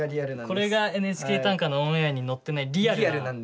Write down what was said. これが「ＮＨＫ短歌」のオンエアに乗ってないリアルな。